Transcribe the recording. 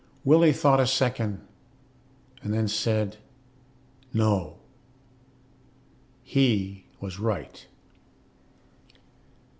Willie thought a second and then said, "No." He was right.